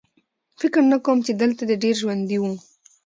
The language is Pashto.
فکر نه کوم چې دلته دې ډېر ژوندي وو